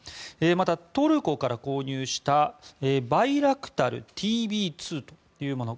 また、トルコから購入したバイラクタルＴＢ２というもの。